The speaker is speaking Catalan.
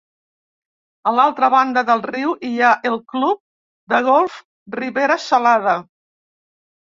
A l'altra banda del riu hi ha el Club de Golf Ribera Salada.